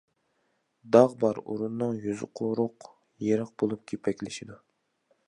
داغ بار ئورۇننىڭ يۈزى قۇرۇق، يېرىق بولۇپ كېپەكلىشىدۇ.